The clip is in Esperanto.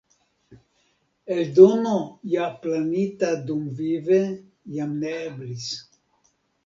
Eldono ja planita dumvive jam ne eblis.